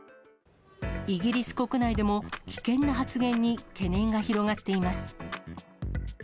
イギリス国内でも、危険な発言に懸念が広がっています。